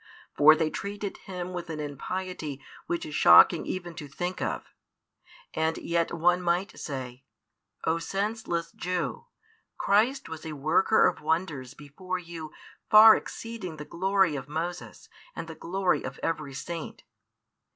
For they treated Him with an impiety which is shocking even to think of; and yet one might say, O senseless Jew, Christ was a worker of wonders before you far exceeding the glory of Moses and the glory of every Saint.